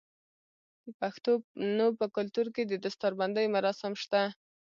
د پښتنو په کلتور کې د دستار بندی مراسم شته.